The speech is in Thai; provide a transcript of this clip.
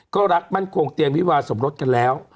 ก็รักมั่นคงเตรียมวิวาสมรสกันแล้ว